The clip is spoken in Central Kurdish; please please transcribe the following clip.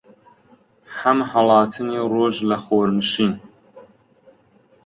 هەم هەڵاتنی ڕۆژ لە خۆرنشین